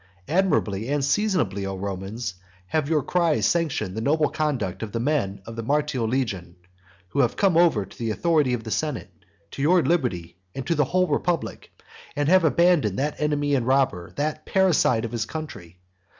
Admirably and seasonably, O Romans, have you by your cries sanctioned the noble conduct of the men of the Martial legion, who have come over to the authority of the senate, to your liberty, and to the whole republic; and have abandoned that enemy and robber and parricide of his country.